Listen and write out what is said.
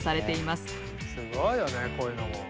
すごいよねこういうのも。